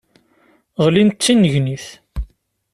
Ɣlint d tinnegnit.